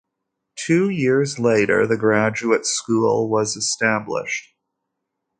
Two years later, the graduate school was established.